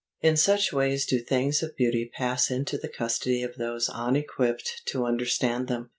In such ways do things of Beauty pass into the custody of those unequipped to understand them.